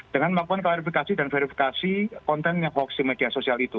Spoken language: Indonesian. dengan melakukan klarifikasi dan verifikasi kontennya hoax di media sosial itu